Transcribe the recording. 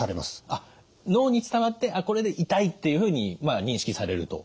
あっ脳に伝わってこれで痛いっていうふうに認識されると。